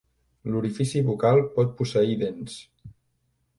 L'orifici bucal pot posseir dents.